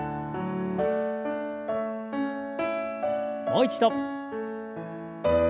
もう一度。